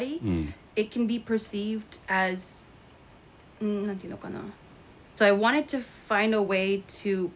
うん何ていうのかな。